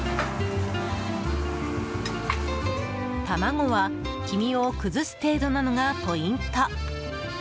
卵は、黄身を崩す程度なのがポイント。